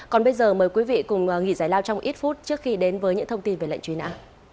còn bây giờ mời quý vị cùng nghỉ giải lao trong ít phút trước khi đến với những thông tin về lệnh truy nã